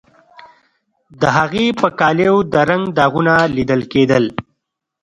د هغې په کالیو د رنګ داغونه لیدل کیدل